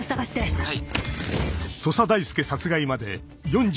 はい。